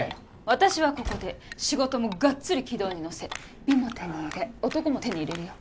私はここで仕事もがっつり軌道に乗せ美も手に入れ男も手に入れるよ